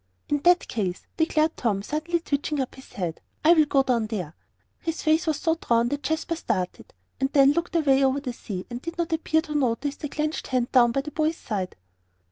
"In that case," declared Tom, suddenly twitching up his head, "I will go down there." His face was so drawn that Jasper started, and then looked away over the sea, and did not appear to notice the clenched hand down by the boy's side.